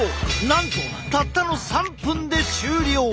なんとたったの３分で終了。